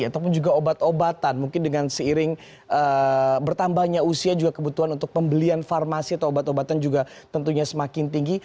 ataupun juga obat obatan mungkin dengan seiring bertambahnya usia juga kebutuhan untuk pembelian farmasi atau obat obatan juga tentunya semakin tinggi